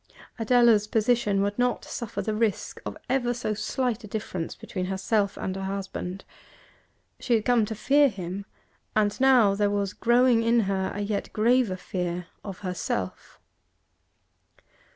Adela's position would not suffer the risk of ever so slight a difference between herself and her husband. She had come to fear him, and now there was growing in her a yet graver fear of herself.